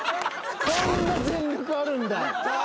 こんな全力あるんだ。